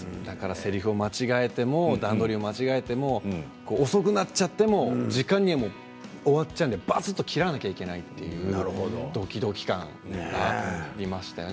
せりふや段取りを間違えても遅くなっちゃっても時間に終わるようにバツッと切らなきゃいけないというドキドキ感もありましたよね